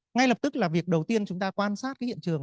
ngay lập tức là việc đầu tiên chúng ta quan sát cái hiện trường